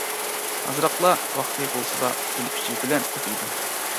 ئازراقلا ۋاقتى بولسىلا پۈتۈن كۈچى بىلەن كۆپىيىدۇ.